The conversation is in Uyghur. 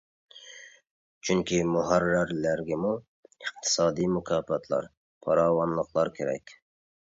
چۈنكى مۇھەررىرلەرگىمۇ ئىقتىسادىي مۇكاپاتلار، پاراۋانلىقلار كېرەك.